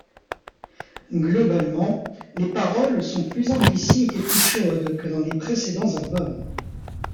Globalement, les paroles sont plus implicites et plus chaudes que dans les précédents albums.